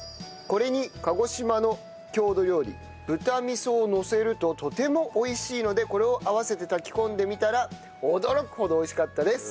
これに鹿児島の郷土料理豚味噌をのせるととても美味しいのでこれを合わせて炊き込んでみたら驚くほど美味しかったです。